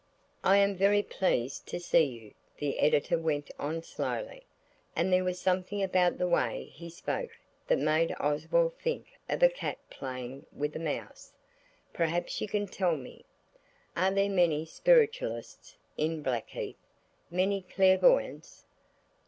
"l am very pleased to see you," the Editor went on slowly, and there was something about the way he spoke that made Oswald think of a cat playing with a mouse. "Perhaps you can tell me. Are there many spiritualists in Blackheath? Many clairvoyants?"